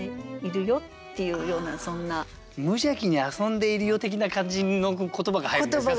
無邪気に遊んでいるよ的な感じの言葉が入るんですか？